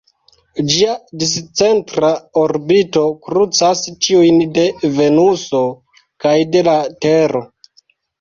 Ĝia discentra orbito krucas tiujn de Venuso kaj de la Tero.